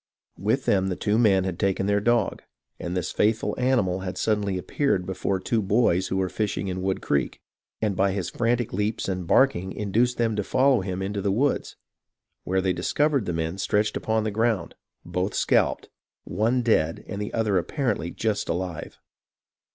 With them the two men had taken their dog, and this faithful animal had suddenly appeared before two boys IN THE MOHAWK VALLEY 1 93 who were fishing in Wood Creek, and by his frantic leaps and barking induced them to follow him into the woods, where they discovered the men stretched upon the ground, both scalped ; one dead, and the other apparently just alive.